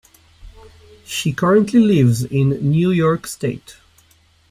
She currently lives in New York State.